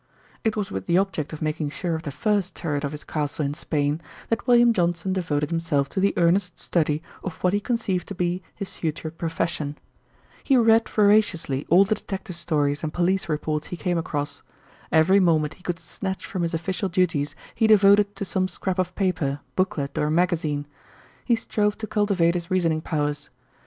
It was with the object of making sure of the first turret of his castle in Spain, that William Johnson devoted himself to the earnest study of what he conceived to be his future profession. He read voraciously all the detective stories and police reports he came across. Every moment he could snatch from his official duties he devoted to some scrap of paper, booklet, or magazine. He strove to cultivate his reasoning powers.